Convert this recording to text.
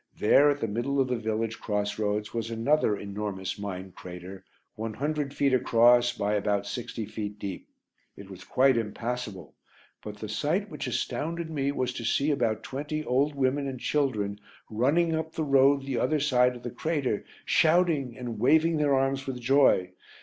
There, at the middle of the village cross roads was another enormous mine crater one hundred feet across by about sixty feet deep. It was quite impassable, but the sight which astounded me was to see about twenty old women and children running up the road the other side of the crater shouting and waving their arms with joy.